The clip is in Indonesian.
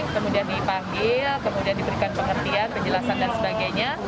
kemudian dipanggil kemudian diberikan pengertian penjelasan dan sebagainya